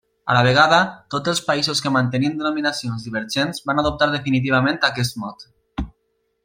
A la vegada, tots els països que mantenien denominacions divergents van adoptar definitivament aquest mot.